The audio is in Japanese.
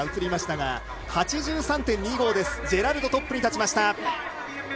８３．２５でジェラルド、トップに立ちました。